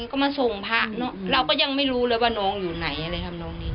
ก็มาส่งพระเราก็ยังไม่รู้เลยว่าน้องอยู่ไหนอะไรทำน้องนี้